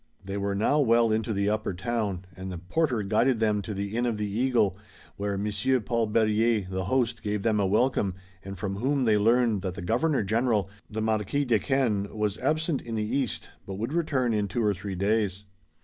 They were now well into the Upper Town, and the porter guided them to the Inn of the Eagle, where Monsieur Paul Berryer, the host, gave them a welcome, and from whom they learned that the Governor General, the Marquis Duquesne, was absent in the east, but would return in two or three days.